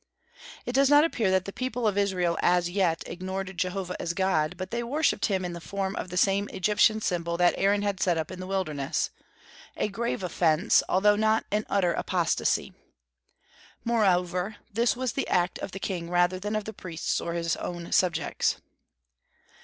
It does not appear that the people of Israel as yet ignored Jehovah as God; but they worshipped him in the form of the same Egyptian symbol that Aaron had set up in the wilderness, a grave offence, although not an utter apostasy. Moreover, this was the act of the king rather than of the priests or his own subjects.